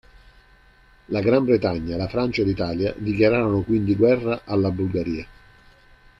La Gran Bretagna, la Francia e l'Italia dichiararono quindi guerra alla Bulgaria.